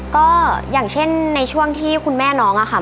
ก็อย่างเช่นในช่วงที่คุณแม่น้องอะค่ะ